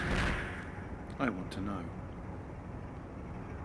I want to know.